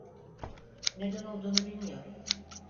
Neden olduğunu bilmiyorum.